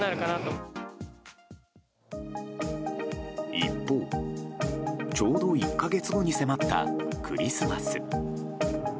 一方ちょうど１か月後に迫ったクリスマス。